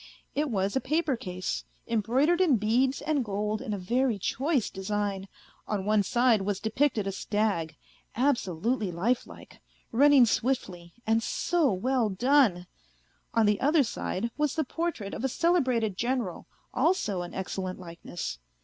It was a paper case, embroidered in beads and gold in a very choice design : on one side was depicted a stag, absolutely lifelike, running swiftly, and so well done ! On the other side was the portrait of a celebrated General, also an excellent likeness.